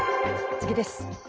次です。